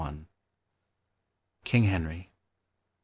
King Henry.